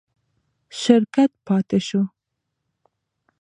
شرکت پاتې شو.